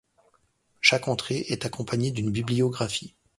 Chaque entrée est accompagnée d'une bibliographie.